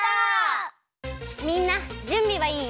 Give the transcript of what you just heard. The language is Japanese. みんなじゅんびはいい？